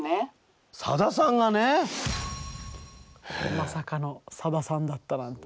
まさかのさださんだったなんて。